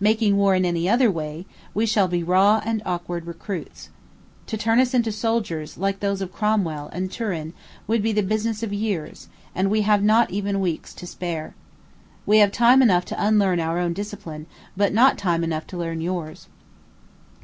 Making war in any other way, we shall be raw and awkward recruits. To turn us into soldiers like those of Cromwell and Turenne would be the business of years: and we have not even weeks to spare. We have time enough to unlearn our own discipline, but not time enough to learn yours."